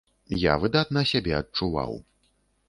Я выдатна сябе адчуваў.